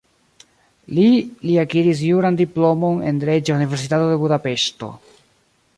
Li li akiris juran diplomon en Reĝa Universitato de Budapeŝto.